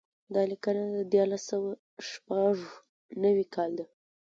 دا لیکنه د دیارلس سوه شپږ نوي کال ده.